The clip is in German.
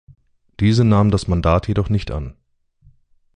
Diese nahm das Mandat jedoch nicht an.